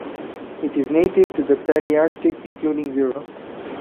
It is native to the Palearctic including Europe.